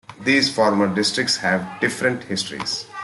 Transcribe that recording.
These former districts have different histories.